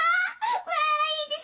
わいです！